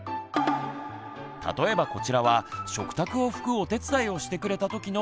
例えばこちらは食卓を拭くお手伝いをしてくれたときの札。